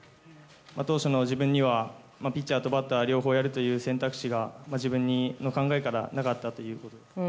当初の自分にはピッチャーとバッター両方やるという選択肢が自分の考えにはなかったということ。